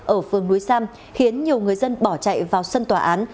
ở phường núi sam khiến nhiều người dân bỏ chạy vào sân tòa án